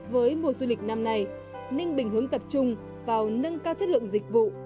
với mùa du lịch năm nay ninh bình hướng tập trung vào nâng cao chất lượng dịch vụ